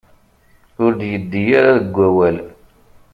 Ur d-yeddi ara deg wawal.